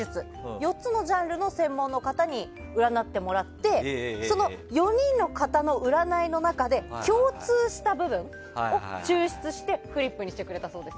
４つのジャンルの専門の方に占ってもらってその４人の方の占いの中で共通した部分を抽出してフリップにしてくれたそうです。